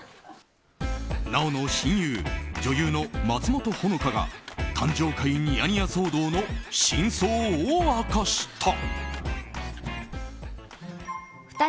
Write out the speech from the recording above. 奈緒の親友女優の松本穂香が誕生会ニヤニヤ騒動の真相を明かした。